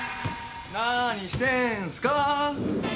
何してんすか？